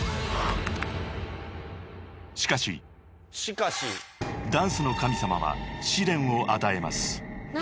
［しかし］［ダンスの神様は試練を与えます］何？